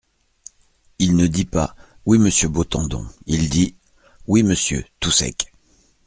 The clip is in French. Il ne dit pas : "Oui, monsieur Beautendon." Il dit : "Oui, monsieur…" tout sec.